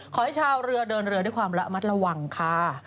ชาวเรือเดินเรือด้วยความระมัดระวังค่ะ